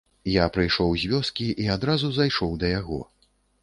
Я прыйшоў з вёскі і адразу зайшоў да яго.